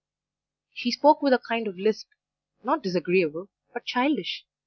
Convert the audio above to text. "She spoke with a kind of lisp, not disagreeable, but childish.